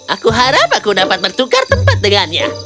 aku harap aku dapat bertukar tempat dengannya